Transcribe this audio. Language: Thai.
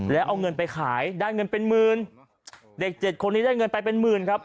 แล้วเอาเงินไปขายได้เงินเป็นหมื่นเด็กเจ็ดคนนี้ได้เงินไปเป็นหมื่นครับ